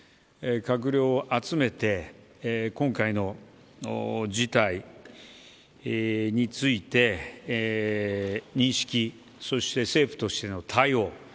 閣僚を集めて今回の事態について認識、政府としての対応